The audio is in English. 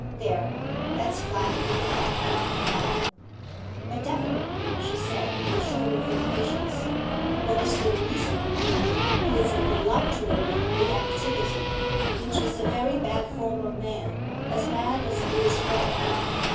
There, that's flat and plain, madam.' 'But, definitely,' she said, with a show of impatience, 'what is your reason?' 'He is a voluptuary with activity; which is a very bad form of man as bad as it is rare.